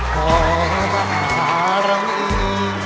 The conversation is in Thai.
ของประหารมี